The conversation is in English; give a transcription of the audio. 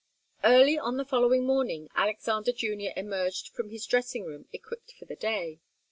Early on the following morning Alexander Junior emerged from his dressing room, equipped for the day.